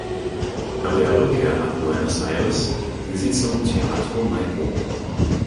Nach ihrer Rückkehr nach Buenos Aires ging sie zum "Teatro Maipo".